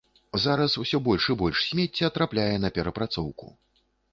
Зараз ўсё больш і больш смецця трапляе на перапрацоўку.